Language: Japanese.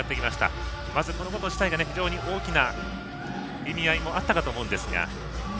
まず、このこと自体が非常に大きな意味合いがあったかと思うんですが。